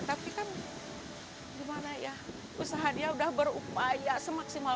tapi kan gimana ya usaha dia udah berupaya semaksimal